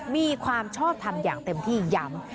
มีความชอบทำอย่างเต็มที่ย้ำ